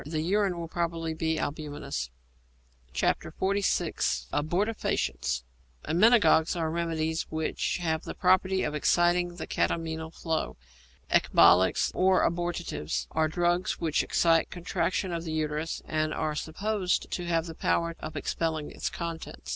The urine will probably be albuminous. XLVI. ABORTIFACIENTS Emmenagogues are remedies which have the property of exciting the catamenial flow; ecbolics, or abortives, are drugs which excite contraction of the uterus, and are supposed to have the power of expelling its contents.